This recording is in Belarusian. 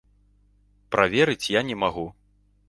Праверыць я не магу.